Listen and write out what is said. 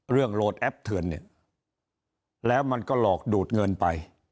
โหลดแอปเถือนเนี่ยแล้วมันก็หลอกดูดเงินไป